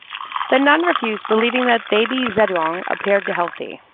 The nun refused, believing that baby Zedong appeared healthy.